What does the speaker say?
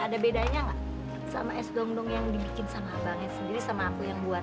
ada bedanya nggak sama es gongdong yang dibikin sama abangnya sendiri sama aku yang buat